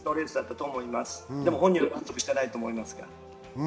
本人は満足していないと思いますが。